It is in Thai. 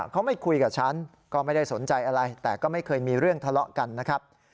เขาไม่คุยกับฉันก็ไม่ได้สนใจอะไรแต่ก็ไม่เคยมีเรื่องทะเลาะกันนะครับ